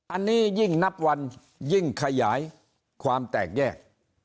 อันนี้ยิ่งนับวันยิ่งขยายความแตกแยก